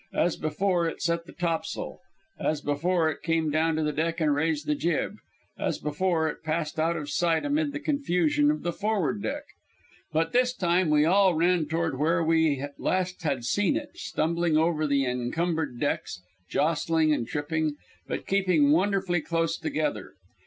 As before, it set the tops'l; as before, it came down to the deck and raised the jib; as before, it passed out of sight amid the confusion of the forward deck. But this time we all ran toward where we last had seen it, stumbling over the encumbered decks, jostling and tripping, but keeping wonderfully close together.